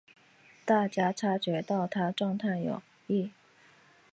大家察觉到她状况有异